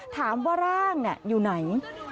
ถามว่าร่างอยู่ไหน